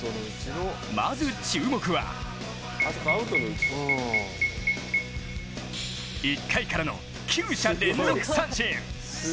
まず、注目は１回からの９者連続三振。